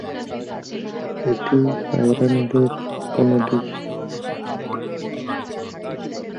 এটি পায়রা নদীর উপনদী।